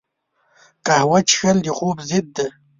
قهوه څښل د خوب ضد ده